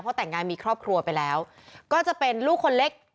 เพราะแต่งงานมีครอบครัวไปแล้วก็จะเป็นลูกคนเล็ก